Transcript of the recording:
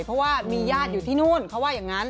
เพราะว่ามีญาติอยู่ที่นู่นเขาว่าอย่างนั้น